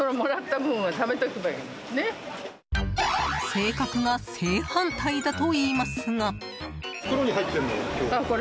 性格が正反対だといいますが。